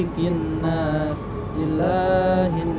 untuk membuat this